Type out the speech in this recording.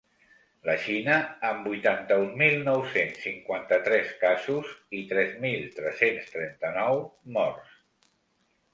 La Xina, amb vuitanta-un mil nou-cents cinquanta-tres casos i tres mil tres-cents trenta-nou morts.